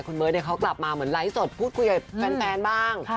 คุณเบิร์ตเขากลับมาเหมือนไลฟ์สดพูดคุยกับแฟนบ้าง